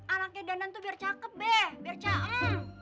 alangnya dandan tuh biar cakep be biar ca em